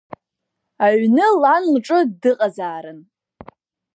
Аҩны лан лҿы дыҟазаарын.